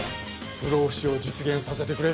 不老不死を実現させてくれ。